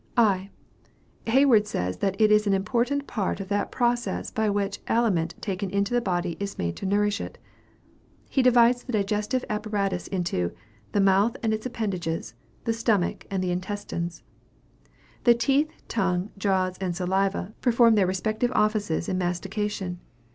I. Hayward says that "it is an important part of that process by which aliment taken into the body is made to nourish it." He divides the digestive apparatus into "the mouth and its appendages, the stomach and the intestines." The teeth, tongue, jaws, and saliva, perform their respective offices in mastication.